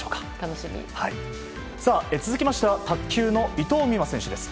続きましては卓球の伊藤美誠選手です。